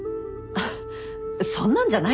そんなんじゃないですよ。